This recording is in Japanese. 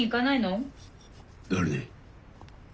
誰に。